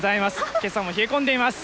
けさも冷え込んでいます。